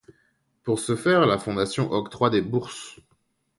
Pour ce faire, la fondation octroie des bourses.